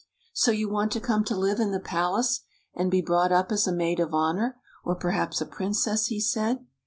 " So you want to come to live in the palace, and be brought up as a maid of honor, or perhaps a princess?" he said.